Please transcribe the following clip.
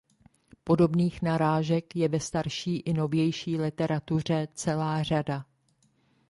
Podobných narážek je ve starší i novější literatuře celá řada.